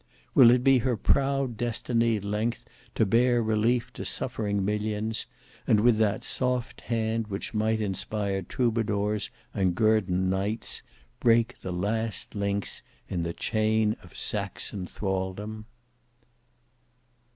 Will it be her proud destiny at length to bear relief to suffering millions, and with that soft hand which might inspire troubadours and guerdon knights, break the last links in the chain of Saxon thraldom?